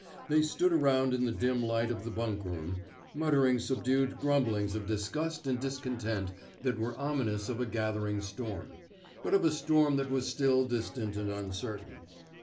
They stood aronnd in the dim light of the bixnkroom, muttering subdued grumblings of disgust and discontent that were ominous of a gathering storm, but of a storm that was still distant and uncertain.